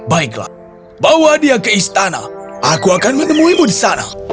baiklah bawa dia ke istana aku akan menemuimu di sana